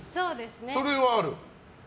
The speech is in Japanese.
それはある？